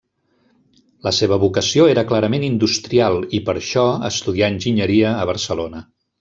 La seva vocació era clarament industrial, i per això, estudià enginyeria a Barcelona.